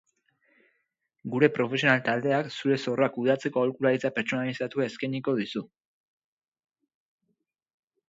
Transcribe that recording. Gure profesional-taldeak zure zorroa kudeatzeko aholkularitza pertsonalizatua eskainiko dizu.